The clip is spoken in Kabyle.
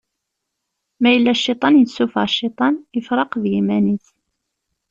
Ma yella Cciṭan yessufeɣ Cciṭan, ifreq d yiman-is.